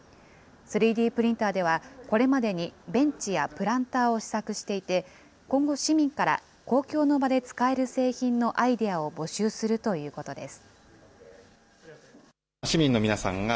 ３Ｄプリンターでは、これまでにベンチやプランターを試作していて、今後、市民から公共の場で使える製品のアイデアを募集するということです。